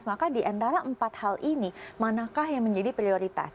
maka diantara empat hal ini manakah yang menjadi prioritas